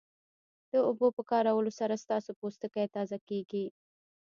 د اوبو په کارولو سره ستاسو پوستکی تازه کیږي